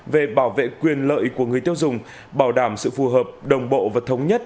về bảo vệ quyền lợi của người tiêu dùng bảo đảm sự phù hợp đồng bộ và thống nhất